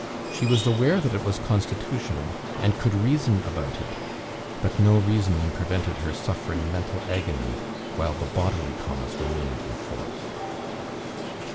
She was aware that it was constitutional, and could reason about it; but no reasoning prevented her suffering mental agony, while the bodily cause remained in force.